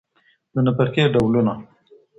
د نفقې ډولونه.